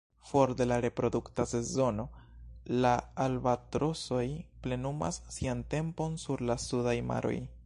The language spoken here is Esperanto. For de la reprodukta sezono, la albatrosoj plenumas sian tempon sur la sudaj maroj.